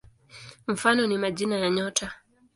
Mfano ni majina ya nyota.